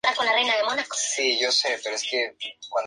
Se encuentra en el Afganistán e Irak.